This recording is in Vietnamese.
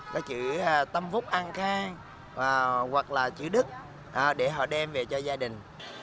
cái chữ tâm phúc an khang hoặc là chữ đức để họ đem về cho gia đình